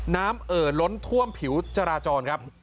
เอ่อล้นท่วมผิวจราจรครับ